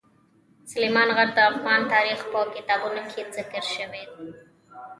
سلیمان غر د افغان تاریخ په کتابونو کې ذکر شوی دي.